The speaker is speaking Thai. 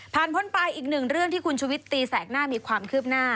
พ้นไปอีกหนึ่งเรื่องที่คุณชุวิตตีแสกหน้ามีความคืบหน้า